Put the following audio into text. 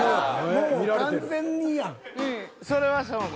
もう完全にやん。